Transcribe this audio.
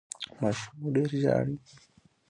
ماشوم مو ډیر ژاړي؟